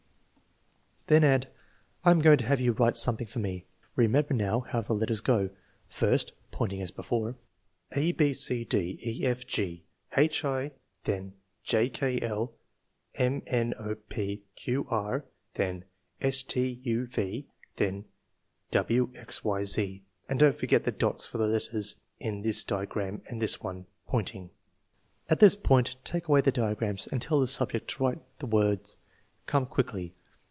Then add: " I am going to have you write something for me; remember now, how the letters go 3 first (pointing, as before) a b c, d e f, g h i, then j k I, m n o, p q r, then s t uv, then w x y z. And don't forget the dots for the letters in this dia gram amd this one " (pointing). At this point, take away the diagrams and tell the subject to write the words come quickly.